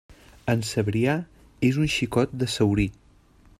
En Cebrià és un xicot de Saurí.